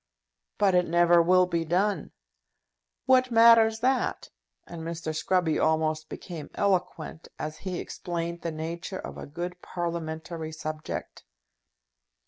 "But it never will be done." "What matters that?" and Mr. Scruby almost became eloquent as he explained the nature of a good parliamentary subject.